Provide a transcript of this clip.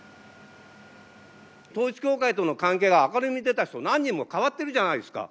統一教会との関係が明るみに出た人、何人も代わってるじゃないですか。